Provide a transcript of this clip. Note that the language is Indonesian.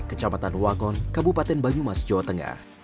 kecamatan wagon kabupaten banyumas jawa tengah